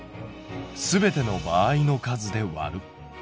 すべての場合の数でわる。